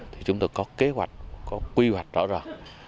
thì chúng tôi có kế hoạch có quy hoạch rõ ràng